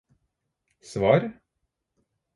svar